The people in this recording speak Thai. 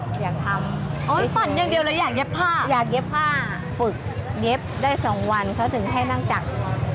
อยากทำโอ้ยฝันอย่างเดียวเลยอยากเย็บผ้าอยากเย็บผ้าฝึกเย็บได้สองวันเขาถึงให้นั่งจักร